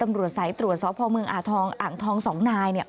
ตำรวจสายตรวจสพเมืองอ่าทองอ่างทองสองนายเนี่ย